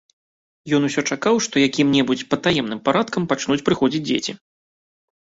Ён усё чакаў, што якім-небудзь патаемным парадкам пачнуць прыходзіць дзеці.